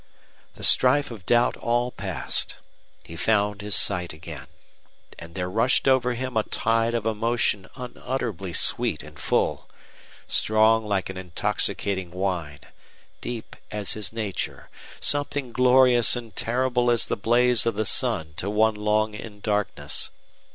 The strife of doubt all passed. He found his sight again. And there rushed over him a tide of emotion unutterably sweet and full, strong like an intoxicating wine, deep as his nature, something glorious and terrible as the blaze of the sun to one long in darkness.